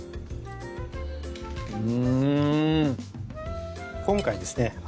うん今回ですね